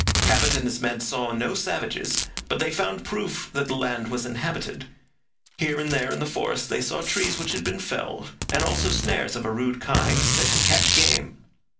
Cabot and his men saw no savages, but they found proof that the land was inhabited. Here and there in the forest they saw trees which had been felled, and also snares of a rude kind set to catch game.